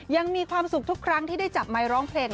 ยังมีความสุขทุกครั้งที่ได้จับไมค์ร้องเพลง